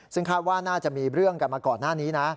ซึ่งคาดว่าน่าจะมีเรื่องกันมาก่อนหน้านี้นะ